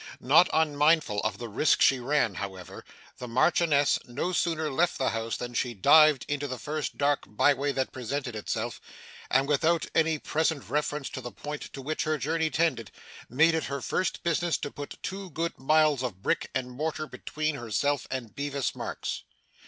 Not unmindful of the risk she ran, however, the Marchioness no sooner left the house than she dived into the first dark by way that presented itself, and, without any present reference to the point to which her journey tended, made it her first business to put two good miles of brick and mortar between herself and Bevis Marks.